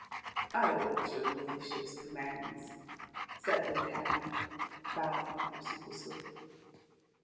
"I await your ladyship's commands," said Luke Hatton, bowing obsequiously.